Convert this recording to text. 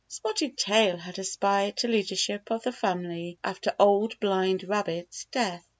Spotted Tail had aspired to leadership of the family after Old Blind Rabbit's death.